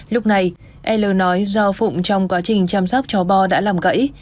lúc này l nói do phụng trong quá trình chăm sóc cháu bò đã làm gãy